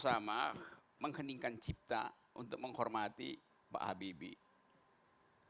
saya kita tadi sama sama menghendingkan cipta untuk menghormati pak habibie